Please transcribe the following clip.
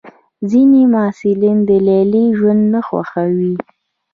ځینې محصلین د لیلیې ژوند نه خوښوي.